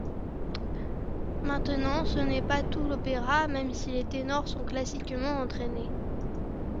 Maintenant, ce n’est pas tout l’opéra, même si les ténors sont classiquement entraînés.